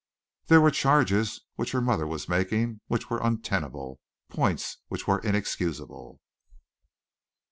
There were charges which her mother was making which were untenable points which were inexcusable.